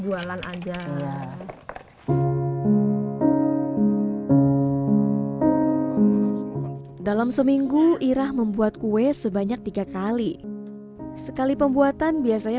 jualan aja dalam seminggu irah membuat kue sebanyak tiga kali sekali pembuatan biasanya